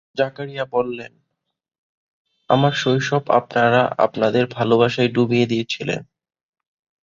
জাকারিয়া বললেন, আমার শৈশব আপনারা আপনাদের ভালবাসায় ডুবিয়ে দিয়েছিলেন।